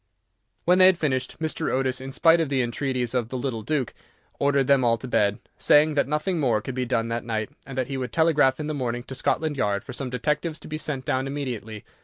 When they had finished, Mr. Otis, in spite of the entreaties of the little Duke, ordered them all to bed, saying that nothing more could be done that night, and that he would telegraph in the morning to Scotland Yard for some detectives to be sent down immediately.